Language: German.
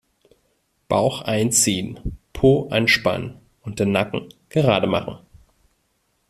Bauch einziehen, Po anspannen und den Nacken gerade machen.